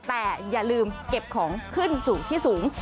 แต่อย่าลืมเก็บของขึ้นสู่ที่สูง